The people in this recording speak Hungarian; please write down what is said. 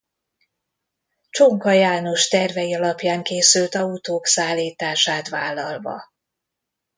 Csonka János tervei alapján készült autók szállítását vállalva.